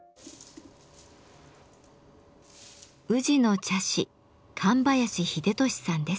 宇治の茶師上林秀敏さんです。